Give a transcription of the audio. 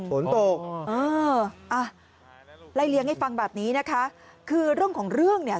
ฝนตกเอออ่ะไล่เลี้ยงให้ฟังแบบนี้นะคะคือเรื่องของเรื่องเนี่ย